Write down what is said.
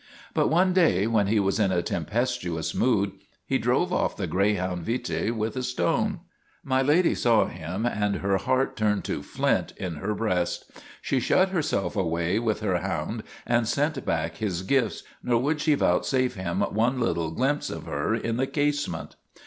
But one day, when he was in a tempestuous mood, he drove off the greyhound Vite with a stone. My Lady saw him and her heart turned to flint in her breast. She shut herself away with her hound and sent back his gifts, nor would she vouchsafe him one little glimpse of her in the casement.